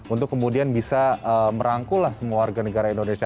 untuk kemudian bisa merangkul lah semua warga negara indonesia